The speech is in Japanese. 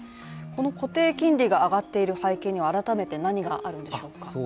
この固定金利が上がっている背景には改めて何があるんでしょうか。